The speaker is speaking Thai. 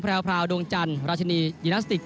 พราวดวงจันทร์ราชินียินาสติก